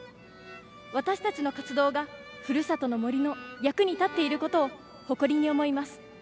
私たちの活動が故郷の森の役に立っていることを誇りに思います。